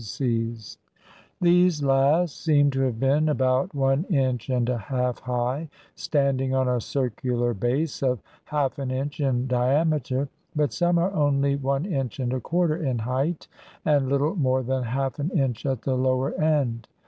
20 HOW EGYPTIANS AMUSED THEMSELVES These last seem to have been about one inch and a half high, standing on a circular base of half an inch in diam eter; but some are only one inch and a quarter in height, and little more than half an inch at the lower end.